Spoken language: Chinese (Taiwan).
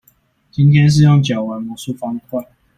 今天是用腳玩魔術方塊